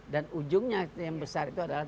dan ujungnya yang besar itu adalah dikurang